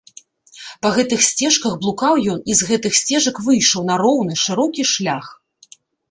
Па гэтых сцежках блукаў ён і з гэтых сцежак выйшаў на роўны, шырокі шлях.